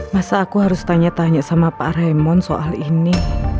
masa aku harus tanya tanya sama pak raimon soal ini